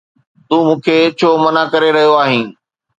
تون مون کي ڇو منع ڪري رهيو آهين؟